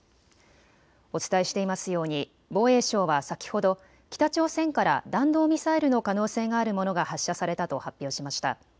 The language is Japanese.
お伝えしていますように防衛省は先ほど北朝鮮から弾道ミサイルの可能性があるものが発射されたと発表しました。